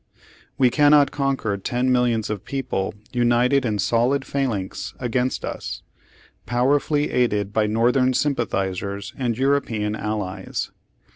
We cannot conquer ten millions of people Page Seventy seven united in solid phalanx against us, powerfully aided by Northern sympathizers and European allies.